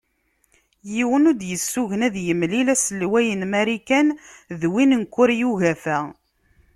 Yiwen ur d- yessugen ad yemlil uselway n Marikan d win n Kurya Ugafa.